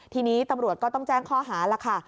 ทีนี้ตำรวจก็ต้องแจ้งข้อหาแล้วค่ะ